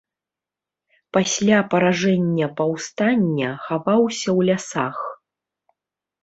Пасля паражэння паўстання хаваўся ў лясах.